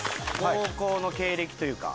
高校の経歴というか。